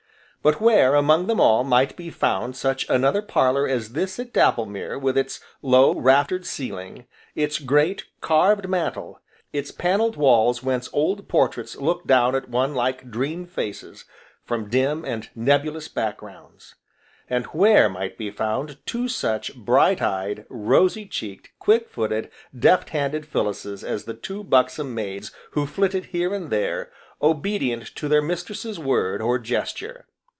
But where, among them all, might be found such another parlour as this at Dapplemere, with its low, raftered ceiling, its great, carved mantel, its panelled walls whence old portraits looked down at one like dream faces, from dim, and nebulous backgrounds. And where might be found two such bright eyed, rosy cheeked, quick footed, deft handed Phyllises as the two buxom maids who flitted here and there, obedient to their mistress's word, or gesture.